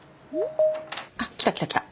あっ来た来た来た。